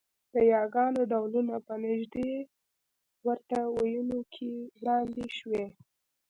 د یاګانو ډولونه په نږدې ورته وییونو کې وړاندې شوي